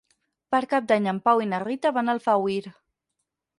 Per Cap d'Any en Pau i na Rita van a Alfauir.